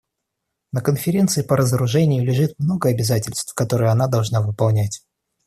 На Конференции по разоружению лежит много обязательств, которые она должна выполнять.